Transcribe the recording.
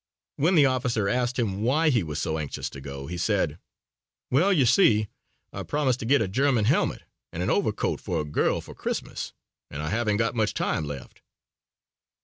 When the officer asked him why he was so anxious to go, he said: "Well, you see, I promised to get a German helmet and an overcoat for a girl for Christmas and I haven't got much time left."